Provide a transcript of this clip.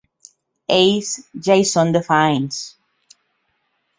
Ells ja hi són de fa anys.